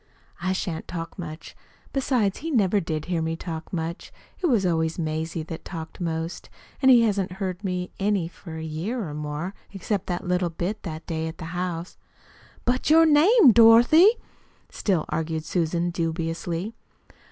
"I shan't talk much. Besides, he never did hear me talk much. It was always Mazie that talked most. And he hasn't heard me any for a year or more, except that little bit that day at the house." "But your name, Dorothy," still argued Susan dubiously.